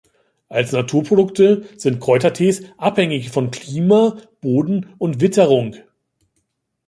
Als Naturprodukte sind Kräutertees abhängig von Klima, Boden und Witterung.